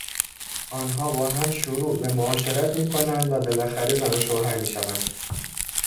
آنها با هم شروع به معاشرت می کنند و بالاخره زن وشوهر میشوند.